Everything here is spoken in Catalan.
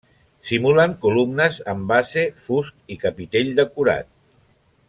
Simulen columnes amb base, fust i capitell decorat.